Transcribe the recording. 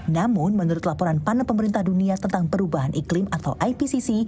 namun menurut laporan panen pemerintah dunia tentang perubahan iklim atau ipcc